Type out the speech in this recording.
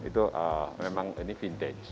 itu memang ini vintage